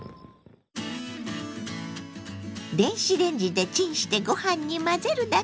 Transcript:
電子レンジでチンしてご飯に混ぜるだけ！